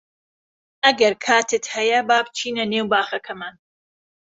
ئەگەر کاتت هەیە با بچینە نێو باخەکەمان.